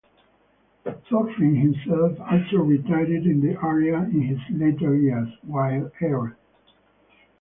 Thorfinn himself also retired in the area in his later years; while Eir.